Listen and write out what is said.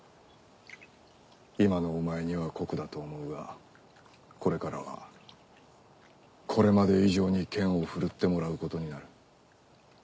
今のお前には酷だと思うがこれからはこれまで以上に剣を振るってもらうことになる。